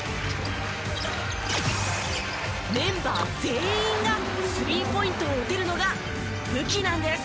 メンバー全員がスリーポイントを打てるのが武器なんです！